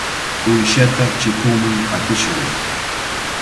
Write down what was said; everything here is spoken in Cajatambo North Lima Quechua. Uyshata chikunman qatishun.